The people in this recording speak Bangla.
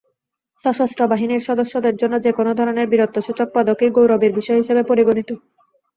সশস্ত্র বাহিনীর সদস্যদের জন্য যেকোনো ধরনের বীরত্বসূচক পদকই গৌরবের বিষয় হিসেবে পরিগণিত।